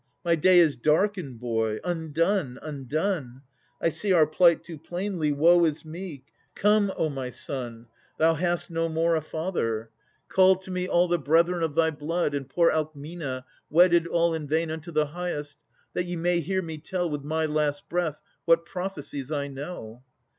My day is darkened, boy! Undone, undone! I see our plight too plainly. woe is me! Come, O my son! thou hast no more a father, Call to me all the brethren of thy blood, And poor Alcmena, wedded all in vain Unto the Highest, that ye may hear me tell With my last breath what prophecies I know.